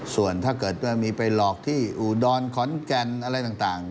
ส่วนถ้าเกิดว่ามีไปหลอกที่อุดรขอนแก่นอะไรต่าง